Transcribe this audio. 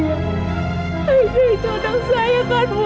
aida itu anak saya kan bu